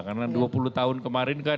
karena dua puluh tahun kemarin kan